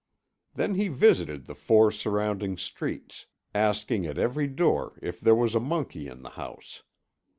Then he visited the four surrounding streets, asking at every door if there was a monkey in the house.